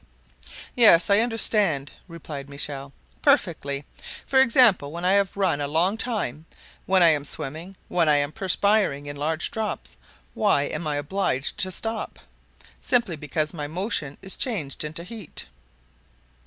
"Yes, I understand," replied Michel, "perfectly. For example, when I have run a long time, when I am swimming, when I am perspiring in large drops, why am I obliged to stop? Simply because my motion is changed into heat."